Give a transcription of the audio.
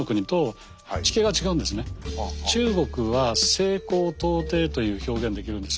中国は「西高東低」という表現できるんです。